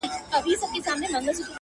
• هم غریب دی هم رنځور دی هم ډنګر دی,